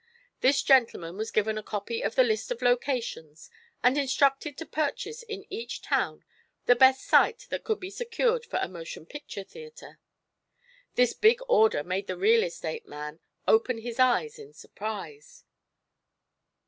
This gentleman was given a copy of the list of locations and instructed to purchase in each town the best site that could be secured for a motion picture theatre. This big order made the real estate man open his eyes in surprise.